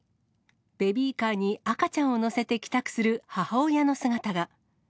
ベビーカーに赤ちゃんを乗せて帰宅する母親の姿が。